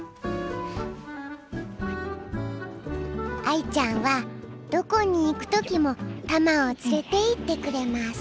愛ちゃんはどこに行く時もたまを連れていってくれます。